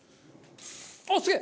あっすげえ！